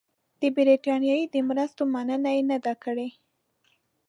د برټانیې د مرستو مننه یې نه ده کړې.